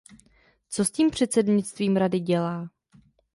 Co s tím předsednictví Rady dělá?